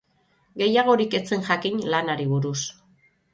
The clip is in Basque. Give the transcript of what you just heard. Gehiagorik ez zen jakin lanari buruz.